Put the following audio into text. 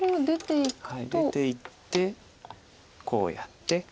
出ていってこうやって。